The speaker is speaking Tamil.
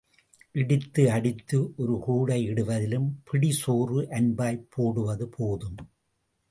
இடித்து அடித்து ஒரு கூடை இடுவதிலும் பிடி சோறு அன்பாய்ப் போடுவது போதும்.